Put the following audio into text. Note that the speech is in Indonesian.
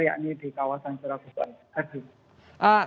yakni di kawasan surabaya